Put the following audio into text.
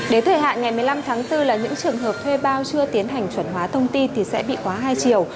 đến thời hạn ngày một mươi năm tháng bốn là những trường hợp thuê bao chưa tiến hành chuẩn hóa thông tin thì sẽ bị quá hai chiều